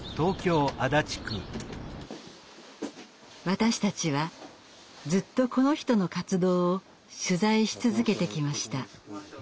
私たちはずっとこの人の活動を取材し続けてきました。